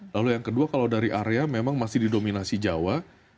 lalu yang kedua kalau dari area memang masih didominasi jawa